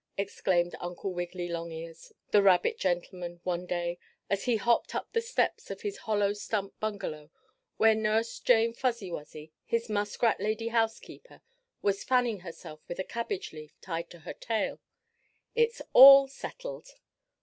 exclaimed Uncle Wiggily Longears, the rabbit gentleman, one day, as he hopped up the steps of his hollow stump bungalow where Nurse Jane Fuzzy Wuzzy, his muskrat lady housekeeper, was fanning herself with a cabbage leaf tied to her tail. "It's all settled."